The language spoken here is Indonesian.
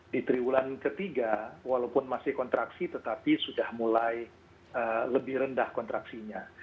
di triwulan ketiga walaupun masih kontraksi tetapi sudah mulai lebih rendah kontraksinya